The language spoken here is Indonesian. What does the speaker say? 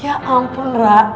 ya ampun ra